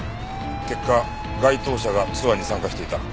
結果該当者がツアーに参加していた。